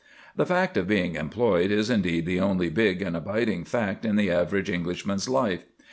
The fact of being employed is indeed the only big and abiding fact in the average Englishman's life.